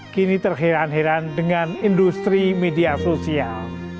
kini terhiran hiran dengan industri media sosial